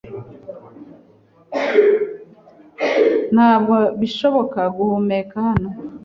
Ntabwo bishoboka guhumeka hano.